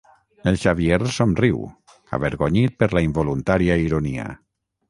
El Xavier somriu, avergonyit per la involuntària ironia.